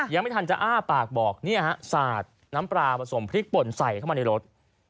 ยังไม่ทันจะอ้าปากบอกเนี่ยฮะสาดน้ำปลาผสมพริกป่นใส่เข้ามาในรถ